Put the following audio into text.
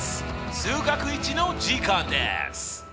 数学Ⅰの時間です！